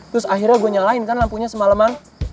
terus akhirnya gue nyalain kan lampunya semaleman